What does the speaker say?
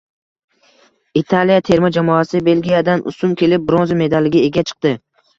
Italiya terma jamoasi Belgiyadan ustun kelib, bronza medaliga ega chiqdi